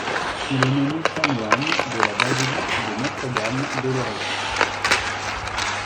Il est nommé chanoine de la Basilique de Notre-Dame de Lorette.